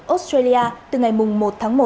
australia từ ngày một tháng một